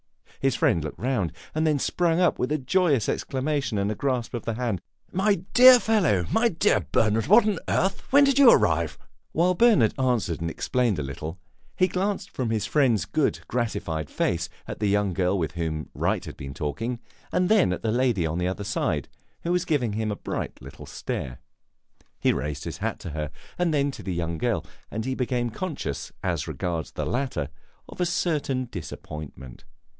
His friend looked round, and then sprang up with a joyous exclamation and grasp of the hand. "My dear fellow my dear Bernard! What on earth when did you arrive?" While Bernard answered and explained a little, he glanced from his friend's good, gratified face at the young girl with whom Wright had been talking, and then at the lady on the other side, who was giving him a bright little stare. He raised his hat to her and to the young girl, and he became conscious, as regards the latter, of a certain disappointment.